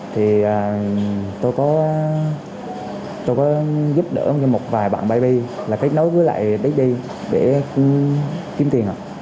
thì tôi có giúp đỡ một vài bạn baby là kết nối với lại daddy để kiếm tiền